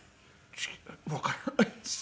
「わからないです」。